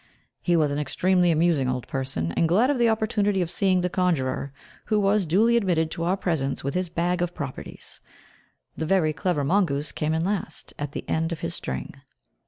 He was an extremely amusing old person, and glad of the opportunity of seeing the conjurer, who was duly admitted to our presence with his bag of properties. The very clever mongoose came in last, at the end of his string.